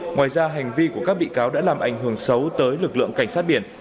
ngoài ra hành vi của các bị cáo đã làm ảnh hưởng xấu tới lực lượng cảnh sát biển